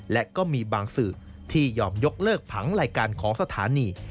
และก็มีบางสื่อที่ยอมยกเลิกผังรายการของสถานี